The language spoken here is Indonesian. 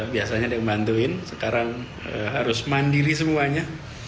biasanya ada yang membantuin sekarang harus mandiri semuanya